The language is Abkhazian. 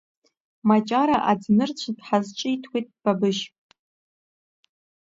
Маҷара аӡ нырцәынтә ҳазҿиҭуеит Бабышь.